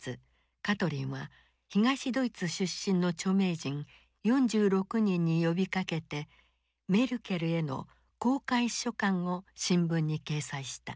カトリンは東ドイツ出身の著名人４６人に呼びかけてメルケルへの公開書簡を新聞に掲載した。